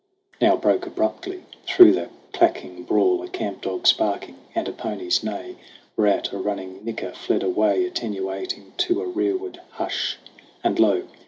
Now broke abruptly through the clacking brawl A camp dog's barking and a pony's neigh ; Whereat a running nicker fled away, Attenuating to a rearward hush ; And lo